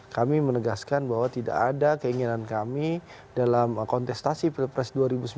kami menegaskan bahwa tidak ada keinginan kami dalam kontestasi pilpres dua ribu sembilan belas